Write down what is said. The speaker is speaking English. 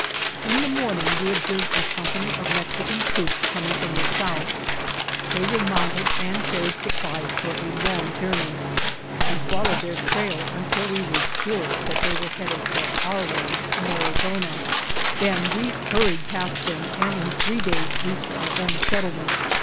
In the morning we ob served a company of Mexican troops com ing from the south. They were mounted and carried supplies for a long journey. We followed their trail until we were sure that they were headed for our range in Ari zona; then we hurried past them and in three days reached our own settlement.